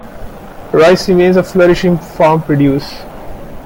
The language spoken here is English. Rice remains a flourishing farm produce.